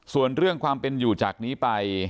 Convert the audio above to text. ส่วนเรื่องความเป็นอยู่จากนี้ไป